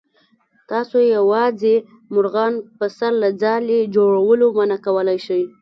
تاسو یوازې مرغان په سر له ځالې جوړولو منع کولی شئ.